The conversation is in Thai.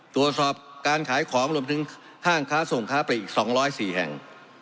ตัวสอบการขายของรวมถึงห้างข้าส่งอาหารไปอีกสองร้อยสี่แห่ง